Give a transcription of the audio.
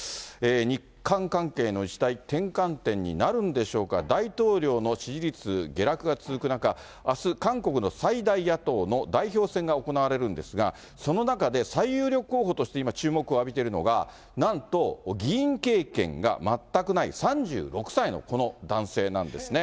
日韓関係の一大転換点になるんでしょうか、大統領の支持率下落が続く中、あす、韓国の最大野党の代表選が行われるんですが、その中で最有力候補として今、注目を浴びているのが、なんと議員経験が全くない、３６歳のこの男性なんですね。